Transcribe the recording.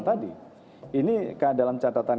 tadi ini dalam catatan